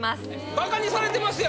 バカにされてますよ